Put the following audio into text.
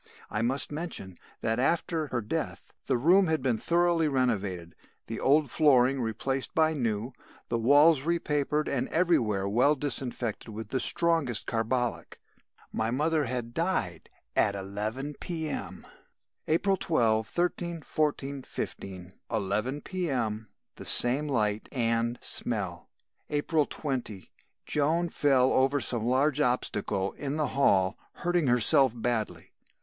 "I must mention that after her death, the room had been thoroughly renovated, the old flooring replaced by new, the walls repapered and everywhere well disinfected with the strongest carbolic. My mother had died at 11 P.M. "April 12, 13, 14, 15; 11 P.M. The same light and smell. "April 20. Joan fell over some large obstacle in the hall, hurting herself badly.